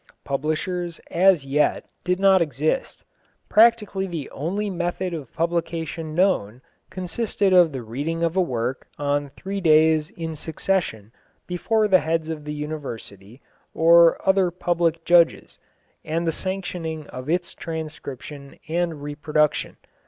Publishers as yet did not exist. Practically the only method of publication known consisted of the reading of a work on three days in succession before the heads of the University, or other public judges, and the sanctioning of its transcription and reproduction.